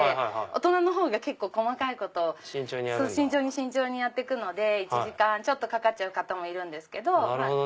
大人のほうが結構細かいこと慎重に慎重にやって行くので１時間ちょっとかかっちゃう方もいるんですけど。